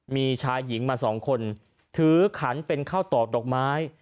มีชายหญิงมาสองคนถือขันเป็นข้าวตอกดอกไม้